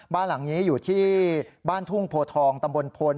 บ้านหลังนี้อยู่ที่บ้านทุ่งโพทองตำบลพล